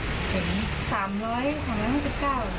เงินสามร้อยของทั้ง๔๙